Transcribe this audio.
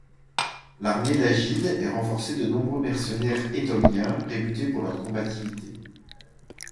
L'armée lagide est renforcée de nombreux mercenaires étoliens, réputés pour leur combativité.